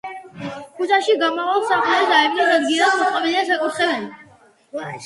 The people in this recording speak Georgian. ქუჩაში გამავალ სახლის აივნის ადგილას მოწყობილია საკურთხეველი.